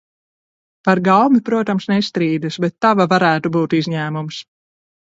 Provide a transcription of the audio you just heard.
Par gaumi, protams, nestrīdas, bet tava varētu būt izņēmums.